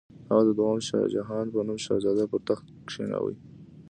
هغه د دوهم شاهجهان په نوم شهزاده پر تخت کښېناوه.